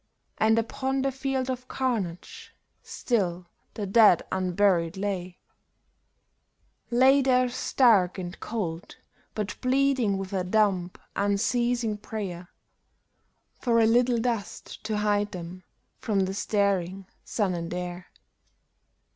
And upon the field of carnage still the dead unburied lay ; Lay there stark and cold, but pleading with a dumb, un ceasing prayer, For a little dust to hide them from the staring sun and air.